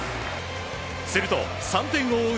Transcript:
すると３点を追う